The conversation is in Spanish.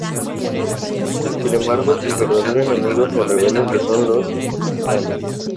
Sin embargo, el verdadero enemigo se revela que son los Daleks.